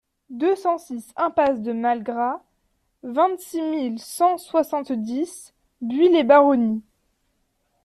deux cent six impasse de Malgras, vingt-six mille cent soixante-dix Buis-les-Baronnies